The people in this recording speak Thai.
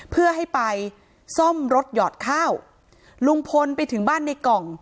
เพื่อให้ไปซ่อมรถหยอดข้าวลุงพลไปถึงบ้านในกล่อง